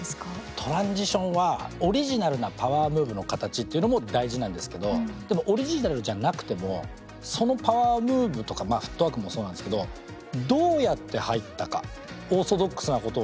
トランジションはオリジナルなパワームーブの形っていうのも大事なんですけどでもオリジナルじゃなくてもそのパワームーブとかフットワークもそうなんですけどどうやって入ったか。